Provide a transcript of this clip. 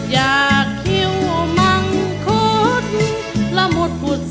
อยากคิวมังคุดละหมดกุฎ